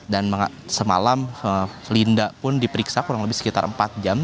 dan semalam linda pun diperiksa kurang lebih sekitar empat jam